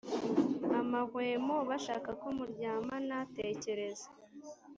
amahwemo bashaka ko muryamana Tekereza